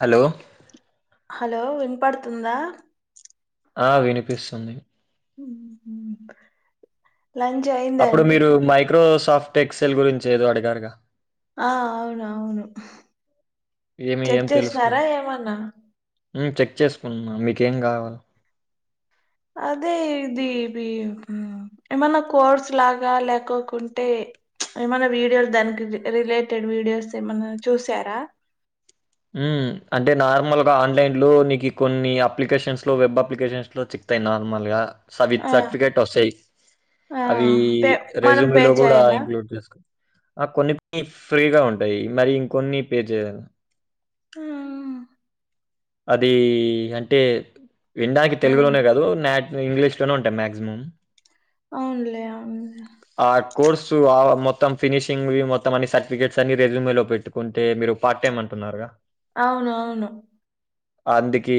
Hello hello వినపడుతుందా ఆ వినిపిస్తుంది ఊహూ లంచ్ అయ్ అప్పుడు మీరు మైక్రోసాఫ్ట్ ఎక్సెల్ గురించి ఏదో అడిగారుగా ఆ అవును అవును ఏమి చెక్ చేసినారా ఏమన్నా ఊ చెక్ చేసుకున్నా మీకేం కావాలా అదే ఇది బి ఏమన్నా కోర్స్ లాగా లేకొకుంటే ఏమన్నా వీడియోలు దానికి రిలేటెడ్ వీడియోస్ ఏమన్నా చూసారా ఊ అంటే నార్మల్గ ఆన్లైన్లో నీకి కొన్ని అప్లికేషన్స్లో వెబ్ అప్లికేషన్స్లో చిక్ తే నార్మల్గా ఆ సవిత్ సర్టిఫికేట్ వస్తాయి ఆ అవి పే మనం పే రెజుమేలో కూడా చేయాలా ఇంక్లూడ్ చేసుకో ఆ కొన్ని ఫ్రీగా ఉంటాయి మరి ఇంకొన్ని పే జేయాలా ఆ అది అంటే విన్డానికి మ్, తెలుగులోనే కాదు మాత్ ఇంగ్లీష్ లోనే ఉంటాయి మాక్సిమం అవునులే అవునులె ఆ కోర్సు ఆ మొత్తం ఫినిషింగ్వి మొత్తం అన్ని సర్టిఫికేట్స్ అన్ని రెజూమేలో పెట్టు కొంటే మీరు పార్ట్ టైమ్ అంటున్నారుగా అవును అవును అందుకి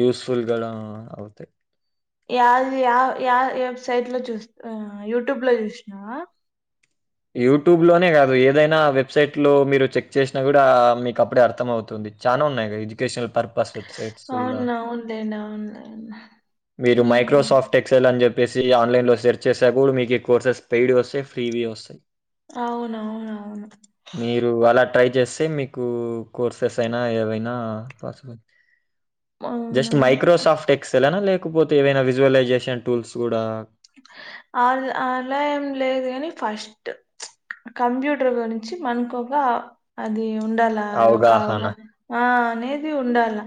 యూసుఫుల్ గడా అవుతాయి యాది యా యా వెబ్సైట్లో చూ యూట్యూబ్లో చూసినవా యూట్యూబ్లోనే కాదు ఏదైనా వెబ్సైట్లో మీరు చెక్ చేసినా కూడా మీకు అప్పుడే అర్థం అవుతుంది చానా ఉన్నాయిగా ఎడ్యుకేషన్ పర్ పస్ వెబ్సైట్స్ ఇలా అవును అవునులేండి అవునులేండి మీరు హ్మ్ మైక్రోసాఫ్ట్ ఏక్సల్ అని చెప్పేసి ఆన్లైన్ సర్చ్ చేసా కూడా మీకు ఈ కోర్సెస్ పెయిడ్ వస్తాయి ఫ్రీవి వస్తాయి అవునవునువును మీరు అలా ట్రై చేస్తే మీకు కోర్సెస్ అయినా ఏవైనా పాసిబుల్ జస్ట్ అవునవును మైక్రోసాఫ్ట్ ఎక్సలేన లేకపోతే ఏవైనా విజువలైజేషన్ టూల్స్ కూడా అ అలా ఏం లేదు కాని ఫస్ట్ కంప్యూటర్ గురించి మనకొక అది ఉండాలా అది ఒక అవగాహన ఆ అనేది ఉండాళ్ళా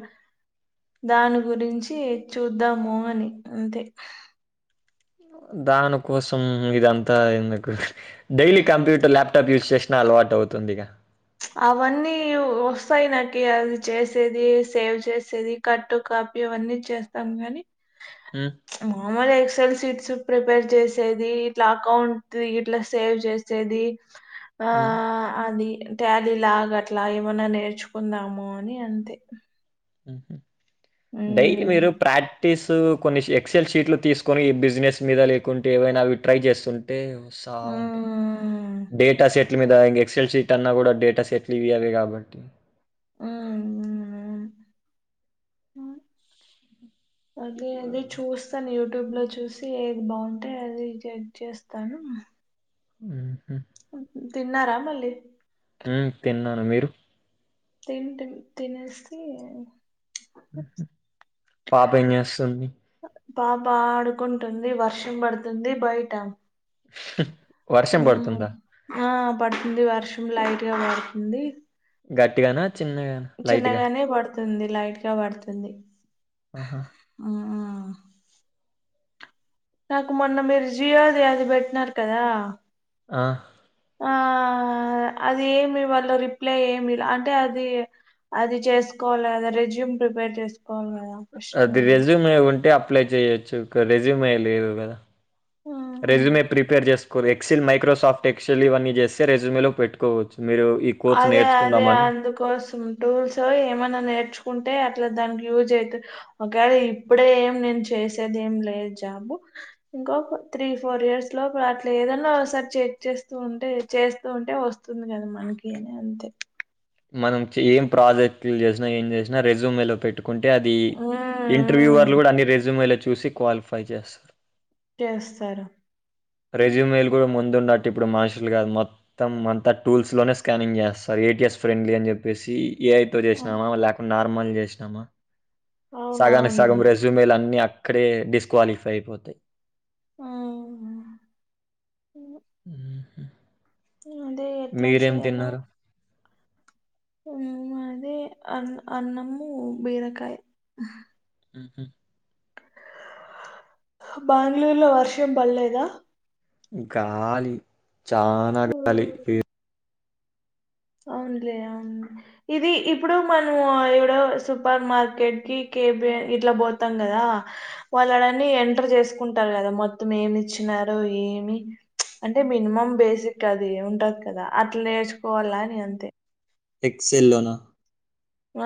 దాని గురించి చూద్దము అని అంతే దాని కోసం ఇదంతా ఎందుకు డైలీ కప్యూటర్ ల్యాప్టప్ యూస్ చేసిన అలవాటు అవుతుందిగా అవన్నీ వస్తాయి నాకి అది చేసేది సేవ్ చేసేది కట్ కాపీ అవన్నీ చేస్తాం గానీ హ్మ్ మామూల్ ఎక్సఎల్ సీట్స్ ప్రిపేర్ చేసేది ఇట్లా అకౌంట్ ఇట్లా సేవ్ చేసేది ఆ హ్మ్. అది ట్యాలీ లాగా అట్లా ఏమన్నా నేర్చుకుందాము అని అంతే డైలీ మ్మ్. మీరు ప్రాక్టీస్ కొన్ని ఎక్సెల్ షీట్లు తీసుకొని బిజినెస్ మీద లేకుంటే ఏవైనా అవి ట్రై చేస్తుంటే సావుంటాయి మ్మ్. సెట్లు మీద ఇంక ఎక్సెల్ షీట్ అన్నా కూడా డేటా సెట్లు ఇవి అవే కాబట్టి [inaudible] హ్మ్ [inaudible] అది అది చూస్తను యూట్యూబ్ లో చూసి ఏది బాగుంటే అది చెక్ చేస్తాను ఊహు తిన్నారా మళ్ళీ హ్మ్ తిన్నాను మీరు తింటి తినేస్తీ పాపేం చేస్తంది పాప ఆడుకుంటుంది వర్షం పడుతుంది బయట [inaudible] హ్మ్ పడుతుందా? ఆ పడుతుంది వర్షం లైట్ గా పడుతుంది గట్టిగానా చిన్నగా చిన్నగానే పడుతుంది లైట్ గా పడుతుంది ఊహూ హ్మ్ నాకు మొన్న మీరు జియోది అది పెట్నారు కదా ఆ ఆ అది ఏమి వాళ్ళ రిప్లై ఏమి ఈల అంటే అదీ అది చేస్కోవాల కదా రెజ్యూమ్ ప్రిపేర్ చేస్కోవాలి కదా అది రెజ్యూమే ఉంటే అప్లై చెయొచ్చు ఇక రెజ్యూమే లేదు కదా ఉమ్. రెజ్యూమే ప్రిపేర్ చేస్ కొ ఎక్సిల్ మైక్రొసాఫ్ట్ ఎక్సల్ ఇవన్నీ చేస్తే రెజూమే లో పెట్టుకోవచ్చు మీరు కోర్స్ అదే అదే నేర్చుకుందామని అందుకు కోసం టూల్సో ఏమన నేర్చుకుంటే అట్ల దానికి యూజ్ అయితది ఒకేళ ఇప్పుడే ఏం నేను చేసేది ఏం లేదు జాబు ఇంకో త్రీ ఫోర్ ఇయర్స్ లో అట్ల ఏదన్నా ఒసారి చెక్ చేస్తూ ఉంటే చేస్తూ ఉంటే వస్తు వస్తుంది కద మనకి అని అంతే మనం ఏం ప్రాజెక్ట్లు చేసినా ఏం చేసినా రెజూమే లో పెట్ ట్టుకుంటే అదీ ఉమ్ ఇంటర్వ్యూ ఉమ్, వాల్లు కూడ అన్ని రెజ్యూమ్ వల్లే చూసి క్వాలిఫై చేస్సరు చేస్తరు రెజ్యూమ్ వెయిల్ కూడ ముందు ఉండట్టు ఇప్పుడు మనుషులు కాదు మొత్ త్తం అంతా టూల్స్ లోనే స్కానింగ్ చేస్తారు ఏటిఎస్ ఫ్రెండ్లీ అని చెప్పేసి ఏఐ తో ఉమ్, చేసినమా లేకుండా నార్మల్ చేసినామా సగానికి అవునవునులే సగం రెజ్యూమ్లు అన్ని అక్కడే డిస్క్వాలిఫై అయిపోతయ్ ఆహా ఊహు అదే ఎట్ల చేయాలో తిన్నారు? ఊ అదే అ అన్నమూ బీరకాయ ఊహు బ్యాంగ్లూర్ లో వర్షం పల్లేదా గాలి చానా గాలి ఉమ్. ఏర్ అవున్లే అవున్లె ఇది ఇప్పుడు మనమూ ఎవడో సూపర్ మార్కెట్ కి కేపి ఇట్ల పోతం కదా వాళ్ళడన్నీ ఎంటర్ చేసుకుంటారు కదా మొత్తం ఏమిచ్చినారో ఏమి అంటే మినిమం బేసిక్ అదీ ఉంటది కదా అట్ల నేర్చుకోవల్లా అని అంతె ఎక్సెల్లోనా ఆ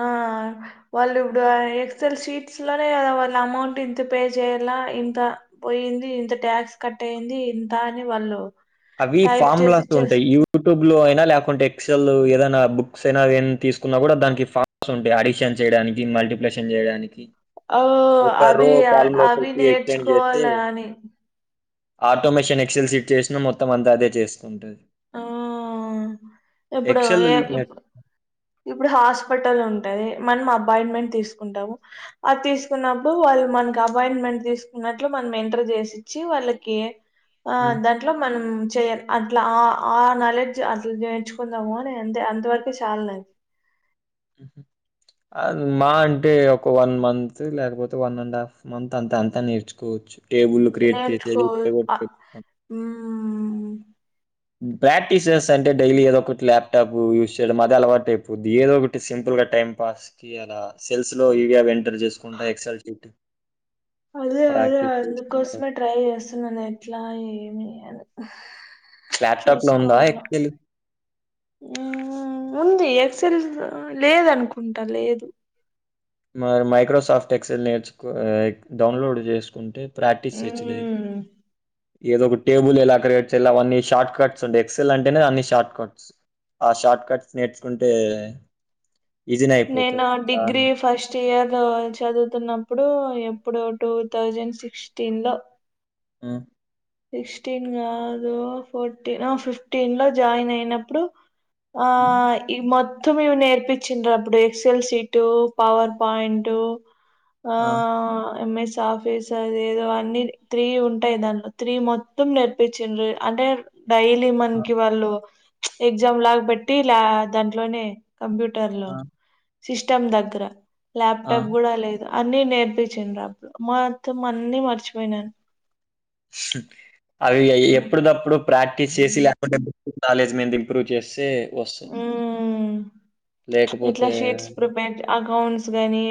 వాళ్ళు ఇప్పుడూ ఎక్స్ఎల్ షీట్స్ లోనే వాళ్ళ అమౌంట్ ఇంత పే చేయల్లా ఇంత పోయింది ఇంత ట్యాక్స్ కట్టయింది ఇంత అని వాళ్ళు అవి టైప్ చేసి ఫార్ములాస్ చేస్ ఉంటాయి యూట్యూబ్ లో అయినా లేకుంటే ఎక్సెల్ ఏదైనా బుక్స్ అయినా ఏ తీసుకున్నా కూడా దానికి ఫ ఉం టాయి అడిషన్ చేయడానికి మల్టిప్లషన్ చేయడానికి ఓ లోక్క రో అవి కాలం అవి లకకి ఎక్స్టైడ్ చేతే నేర్చుకోవాల అని ఆటోమేషన్ ఎక్సల్ సిట్ చేసినా మొత్తం అంతా అదే చేస్తుంటది ఆ ఇప్పుడు ఎక్సెల్ ఏ ఏప్పు ఇప్పుడు హాస్పిటల్ ఉంటది మనం అపాయింట్మెంట్ తీసుకుంటాము అది తీసుకున్నప్పుడు వాళ్ళు మనకి అపాయింట్మెంట్ తీసుకున్నట్లు మనం ఎంటర్ చేసి ఇచ్చి వాళ్ళకి మనకి ఆ దాంట్లో మనం చెయాలి అట్లా ఆ ఆ నాలెడ్జ్ అట్లా నేర్చు చకుందాము అనే అంత వరకు చాలా లే అద్ మా అంటే ఒక వన్ మంత్ లేకపోతే వన్ అండ్ హాఫ్ మంత అంత అంతా నేర్చుకోవచ్చు టేబుల్ క్రియేట్ చేసేది ఊ ప్రాక్టీసెస్ అంటే డైలీ ఏదో ఒకటి ల్యాప్టాప్ యూజ్ చేయడం అదే అలవాటు అయిపోతుంది ఏదోటి సింపుల్ గా టైం పాస్ కి అలా సెల్స్ లో ఈవి ఎంటర్ చేసుకుంటా ఎక్స్ల్ అదే అదే చేస్తున్నారు అందుకోసమే ట్రై చేస్తున్నాను ఎట్లా ఏమి అని ల్యాప్టాప్ లో ఉందా చూసుకోవాల ఎక్సెల్ ఆ ఉంది ఎక్సల్ లేదనుకుంటా లేదు మరి మైక్రోసాఫ్ట్ ఎక్సెల్ నేర్చ్ డౌన్లోడ్ చేసుకుంటే ప్రాక్టీీస్ సెచ్చలేదు మ్మ్ ఏదో ఒక టేబుల్ ఎలా క్రయేట్ చేలా అవన్నీ షార్ట్ కట్స్ ఉంట ఎక్సెల్ అంటేనే అన్ని షార్ట్ కట్స్ ఆ షార్ట్ కట్స్ నేర్చుకుంటే ఈజీనే నేను అయిపోతది చాన్ డిగ్రీ ఫస్ట్ చియర్ చదువుతున్నప్పుడు ఎప్పుడు టూ థౌజండ్ సిక్స్టీన్ లో ఆ సిక్స్టీన్ కాదు ఫోర్టీన్ ఆ ఫిఫ్టీన్ లో జాయిన్ అయినప్పుడు ఆ హ్మ్. ఇవి మొత్తం ఇవి నేర్పించిరు అప్పుడు ఎక్సల్ సీట్ పవర్ పాయింట్ ఆ ఎంఎస్ ఆఫీస్ అది ఏదో అన్నీ త్రీ ఉంటాయి దానిలో త్రి మొత్తం నేర్పించింర్ అంటే డైలీ ఆ! మన్కి వాళ్ళు ఎగ్జామ్ లాగ్పెట్టి లా దాంట్లోనే కంప్యూటర్లో ఆ! సిస్టమ్ దగ్గర ఆ! ల్యాప్టాప్ కుడ లే అన్ని నేర్పించిండ్ర్ అప్పుడు మార్తం అన్ని మర్చిపోయినాన్ అవి అయి ఎప్పుడ్ దప్పుడు ప్రాక్టీస్ చేసి లేకుంటే బుక్ నాలెడ్జ్ మీద ఇంప్రూవ్ చేస్తే వస్తాయి. ఉమ్ ఇట్ల లేకపోతే శీట్స్ ప్రిపేర్ అకౌంట్స్ గానీ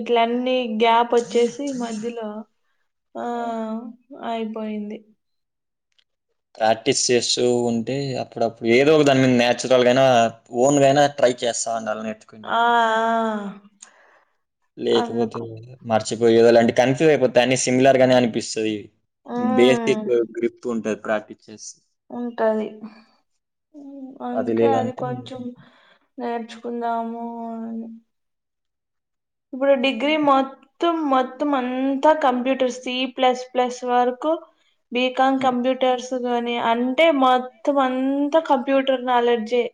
ఇట్లన్ని గ్యాప్ ఒచ్చేసి మధ్యలో హ్మ్. ఆహ్ అయిపోయింది ప్రాక్టీస్ చేస్తూ ఉంటే అప్పుడప్పుడు ఏదో దాన్ మీద న్యాచురల్గాయినా ఓన్ గైనా ట్రై చేస్తా ఉండాల్ నిట్ ఆఅహ్ లేకపోతే మర్చిపోయో అలాంటి కన్ఫ్యూస్ అయిపోతై అన్ని సిమిలర్ గానే అనిపిస్తది ఆ బేసికు గ్రిప్ ఉంటది ప్రాక్టీస్ చేస్ ఉంటది అందుకే అది కొంచం నేర్చుకుందాము అని ఇప్పుడు డిగ్రీ మొత్ త్తం మొత్తం అంతా computers C plus plus work BCom హ్మ్. కంప్యూటర్స్ కాని అంటే మొత్తం అంతా కంప్యూటర్ నాలెడ్జె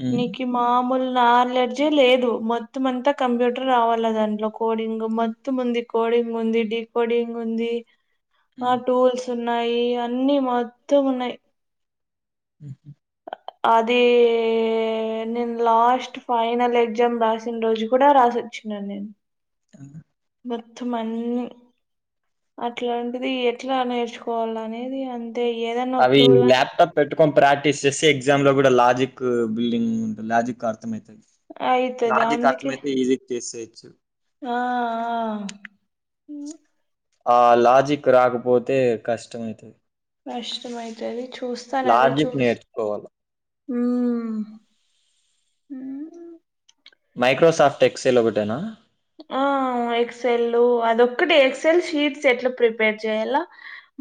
హ్మ్. నిక్ కి మామూల్ నాలెడ్జె లేదు మొత్తం అంత కంప్యూటర్ రావాలా దాంట్లో కోడింగు మ త్తుమంది కోడింగ్ ఉంది డి కోడింగ్ ఉంది ఆ హ్మ్. టూల్స్ ఉన్నాయి అన్ని మొత్తం ఉన్నాయ్ హ్మ్. అది నేను లాస్ట్ ఫైనల్ ఎజ్జామ్ రాసిన్ రోజు కూడా రాసిన్ క్షణ నెన్ ఆ మర్ధమన్ అట్లాంటిది ఎట్లా నేర్చుకోవాల్ అనేది అంత్ తే ఏదన్ అవి ల్యాప్టాప్ పెట్టుకొన్ ప్రాక్టీస్ చేస్తే ఎగ్జామ్లో కూడా లాజికు బిల్డింగ్ ఉంటుం లాజిక్ అర్థమైతది అయితది లాజిక్ అర్థమైతే ఈజీగ్ చేసేయచ్చు ఆఅహ్ ఆ లాజిక్ రాకపోతే కష్టం అయితది నష్టమైతది చూస్తాన్ అదే లాజిక్ చుస్ నేర్చుకోవాలి. ఉమ్ మ్ మైక్రోసాఫ్ట్ ఎక్సైల్ ఒకటేనా ఆ ఎక్సెల్లు అదొక్కటె ఎక్సెల్ షీట్స్ ఎట్లా ప్రిపేర్ చేయల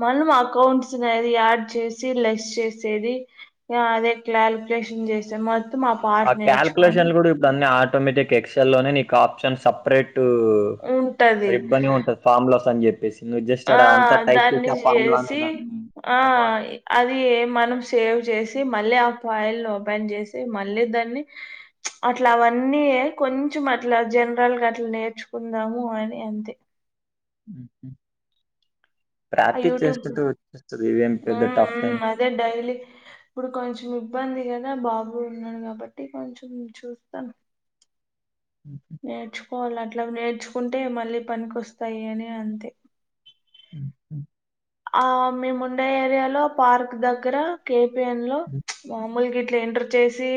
మనం అకౌంట్స్ నది యాడ్ చేసి లెస్ చేసేది యా అదే క్లారిఫికేషన్ చేస్తే మొత్తం ఆ పార్ట్ నేర్చుకొని దాన్ని ఆటోమేటిక్ ఎక్సెల్ లోనే నీకు ఆప్షన్ సపరేట్టు ఉంటది రిబన్గుంటది ఫామ్లస్ అన్ చెప్పేసి ఆ దాన్ని అనే చేసి దాన్ని ఆ ఒక్కటి వాడు ఇ అది మనం సేవ్ చేసి మళ్ళీ ఆ ఫైల్ ఓపెన్ చేసి మళ్ళీ దాన్ని అట్లా అవన్నీ కొంచెం అట్లా జనరల్గా అట్లా నేర్చుకుందాము అని అంతే ఉహుహ్ ఆ ప్రాక్టీస్ యూట్యూబ్ చేస్తుట్టే వచ్చేస్తది ఇదేం పెద్ద ఉమ్ టఫ్ ఉమ్ ఏమ్. అదే డైలీ ఇప్పుడు కొంచెం ఇబ్బంది గదా బాబు ఉన్నాడు గబట్టి కొంచెం చూదాం. ఉహుహ్ నేర్చుకోవాలి అట్లా నేర్చుకుంటే మళ్ళీ పనికొస్తాయి అని అంతే ఉహుహ్ ఆ మేముండే ఏరియాలో పార్క్ దగ్గర కేపిఎన్ లో హ్మ్. మామూలుగా ఇట్లా ఇంటర్ చేసి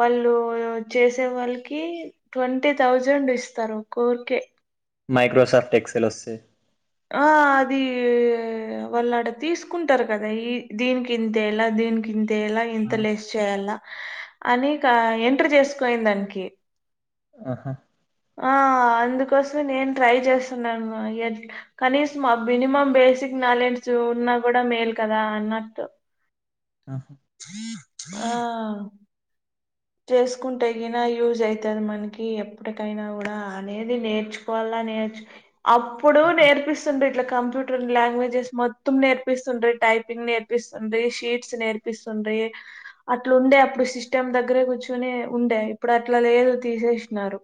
వాళ్ళు చేసే వాళ్ళకి ట్వంటీ థౌజండ్ ఇస్తారు కోర్కే మైక్రోసఫ్ట్ ఎక్సెల్ వస్తే ఆ అది వాళ్ళడా తీసుకుంటారు గదా ఈ దీన్ ఇంతేలా దీనక్ దినక్ ఇంతేలా. ఇంత ఆ! లేచ్ చేయాలా అని కా ఎంటర్ జేసుకోయింది దానికి ఆహా ఆ అందుకోసవే నేన్ ట్రై జేస్తున్నా ఏద్ కనీసం ఆ బినిమం బేసిక్ నాలెడ్జ్ ఉన్నా కూడా మేల్ కదా అన్నట్టు. ఉహ్ హ ఆ చేసుకుంటే గీనా యూజ్ అయితది. మనకి ఎప్పటికైనా కూడా అనేది నేర్చుకోవాలా నేర్చ్ అప్పుడు నేర్పిస్ డుంటే ఇట్లా కంప్యూటర్ లాంగ్వేజెస్ మొత్తం నేర్పిస్తుండే టైపింగ్ నేర్పిస్తుండే షీట్స్ నేర్ప్ పిసుండే అట్లా ఉండే అప్పుడు సిస్టమ్ దగ్ దగ్గరే కూర్చునే ఉండే ఇప్పుడు అట్లా లేదు తీసేసినారు.